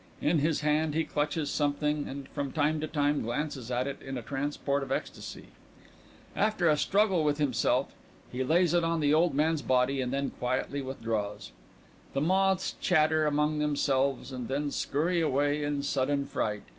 In his hand he clutches something and from time to time glances at it in a transport of ecstasy. After a struggle with himself he lays it on the old man's body and then quietly withdraws._ _The moths chatter among themselves and then scurry away in sudden fright.